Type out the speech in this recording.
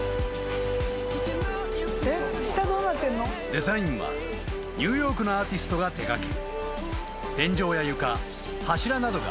［デザインはニューヨークのアーティストが手掛け］